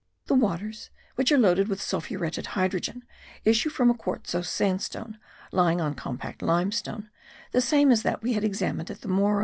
The waters, which are loaded with sulphuretted hydrogen, issue from a quartzose sandstone, lying on compact limestone, the same as that we had examined at the Morro.